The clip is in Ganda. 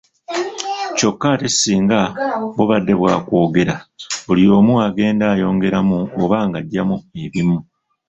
Kyokka ate singa bubadde bwa kwogera buli omu agenda ayongeramu oba nga aggyamu ebimu.